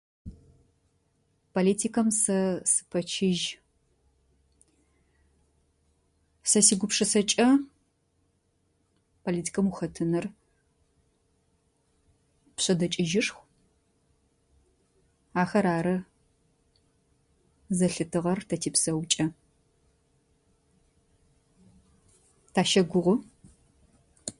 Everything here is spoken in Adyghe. Политикэм сэ сыпэчыжь. Сэ сигупшысэкӏэ политикэм ухэтыныр пшъэдэкӏыжьышху. Ахэр ары зэлъытыгъэр тэ типсэукӏэ. Тащэгугъу.